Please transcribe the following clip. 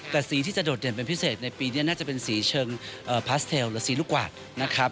แต่สีที่จะโดดเด่นเป็นพิเศษในปีนี้น่าจะเป็นสีเชิงพาสเทลหรือสีลูกวาดนะครับ